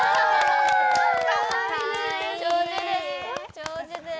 上手です。